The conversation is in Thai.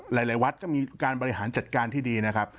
หลายวัดก็มีการบริหารจัดการที่ดีนะครับ